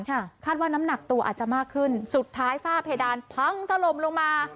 คาดว่าน้ำหนักตัวอาจจะมากขึ้นสุดท้ายฝ้าเพดานพังถล่มลงมา